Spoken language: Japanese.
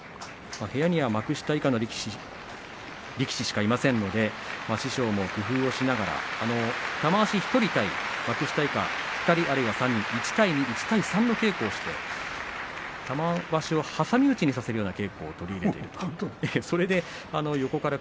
部屋には幕下以下の力士しかいませんので師匠も工夫しながら玉鷲１人対幕下以下２人あるいは３人で、１対３の稽古をして玉鷲を挟み撃ちにさせるような稽古を取り入れているようです。